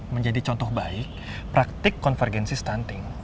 menjadi contoh baik praktik konvergensi stunting